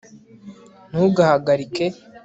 ntugahagarike